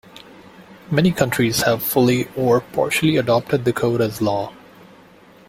Many countries have fully or partially adopted the Code as law.